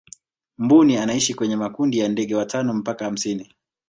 mbuni anaishi kwenye makundi ya ndege watano mpaka hamsini